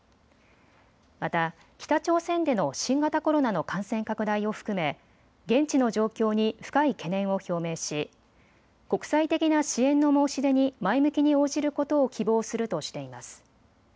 また北朝鮮での新型コロナの感染拡大を含め現地の状況に深い懸念を表明し国際的な支援の申し出に前向きに応じることを希望するとしています。